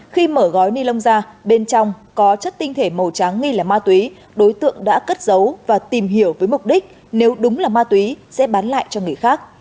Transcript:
khi mở gói ni lông ra bên trong có chất tinh thể màu trắng nghi là ma túy đối tượng đã cất giấu và tìm hiểu với mục đích nếu đúng là ma túy sẽ bán lại cho người khác